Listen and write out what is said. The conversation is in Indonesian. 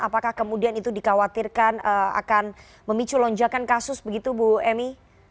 apakah kemudian itu dikhawatirkan akan memicu lonjakan kasus begitu bu emy